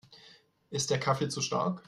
Ist der Kaffee zu stark?